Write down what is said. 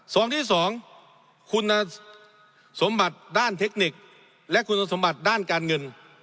สองที่สองคุณสมบัติด้านเทคนิคและคุณสมบัติด้านการเงิน